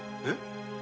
えっ？